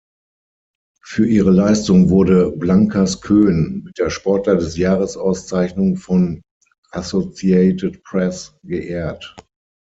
Für ihre Leistung wurde Blankers-Koen mit der Sportler des Jahres-Auszeichnung von Associated Press geehrt.